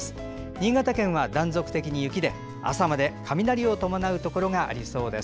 新潟県は断続的に雪で朝まで雷を伴うところがありそうです。